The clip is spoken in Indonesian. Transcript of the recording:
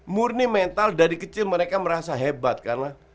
murni mental dari kecil mereka merasa hebat karena